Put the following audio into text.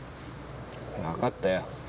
わかったよ。